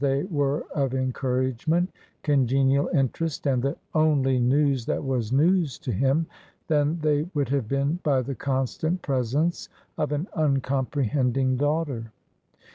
they were of encouragement, congenial interest, and the only news that was "news" to him, than they would have been by the constant presence of an uncomprehend ing daughter.